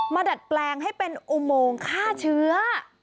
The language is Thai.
ดัดแปลงให้เป็นอุโมงฆ่าเชื้อ